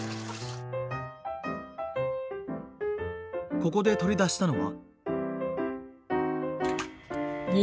ここで取り出したのは。